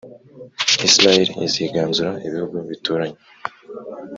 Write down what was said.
israheli iziganzura ibihugu bituranye